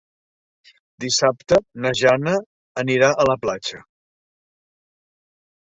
Dissabte na Jana anirà a la platja.